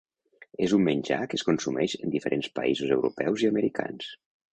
És un menjar que es consumeix en diferents països europeus i americans.